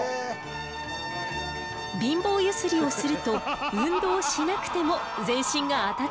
貧乏ゆすりをすると運動しなくても全身が温かくなるのよ。